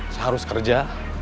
saya harus kerja